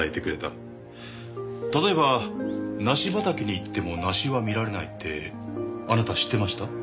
例えば梨畑に行っても梨は見られないってあなた知ってました？